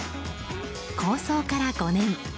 構想から５年。